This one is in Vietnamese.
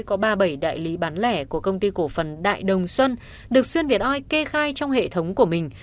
có ba mươi bảy đại lý bán lẻ của công ty cổ phần đại đồng xuân được xuyên việt oi kê khai trong hệ thống của mình